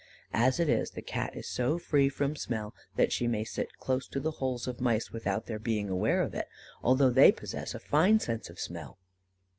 As it is, the Cat is so free from smell that she may sit close to the holes of mice without their being aware of it, although they possess a fine sense of smell.